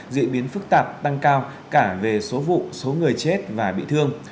diễn biến phức tạp tăng cao cả về số vụ số người chết và bị thương